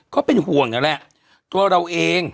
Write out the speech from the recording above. ก็เป็นห่วงนั่นแหละตัวเราเอง